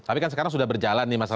tapi kan sekarang sudah berjalan nih mas